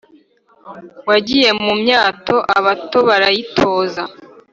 wagiye mu myato abato barayitoza